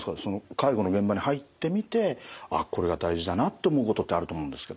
介護の現場に入ってみてあこれが大事だなって思うことってあると思うんですけど。